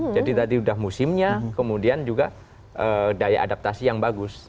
jadi tadi sudah musimnya kemudian juga daya adaptasi yang bagus